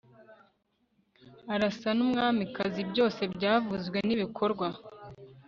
Arasa numwamikazi byose byavuzwe nibikorwa